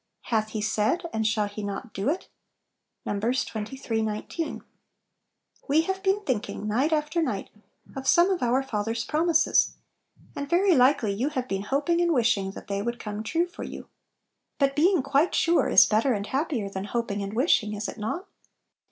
•'Hath He said, and shall He not do it!" Num. xxiii. 19. WE have been thinking, night after night, of some of our Father's promises, and very likely you have been hoping and wishing that they would come true for you. But being quite sure is better and happier than hoping and wishing, is it not?